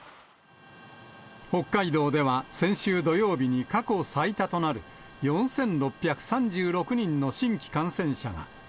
北海道では、先週土曜日に過去最多となる４６３６人の新規感染者が。